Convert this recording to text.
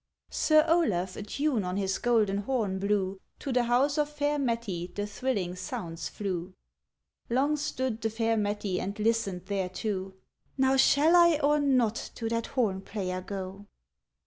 Sir Olaf a tune on his golden horn blew, To the house of fair Mettie the thrilling sounds flew. Long stood the fair Mettie and listened thereto: ŌĆ£Now shall I or not to that horn player go?